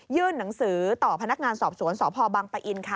หนังสือต่อพนักงานสอบสวนสพบังปะอินค่ะ